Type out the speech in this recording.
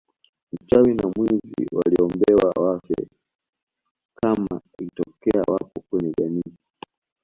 Mchawi na mwizi waliombewa wafe kama ikitokea wapo kwenye jamii